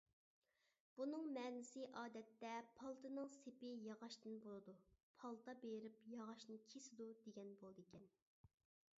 بۇنىڭ مەنىسى ئادەتتە پالتىنىڭ سېپى ياغاچتىن بولىدۇ، پالتا بېرىپ ياغاچنى كېسىدۇ دېگەن بولىدىكەن.